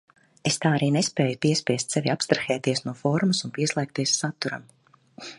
Es tā arī nespēju piespiest sevi abstrahēties no formas un pieslēgties saturam.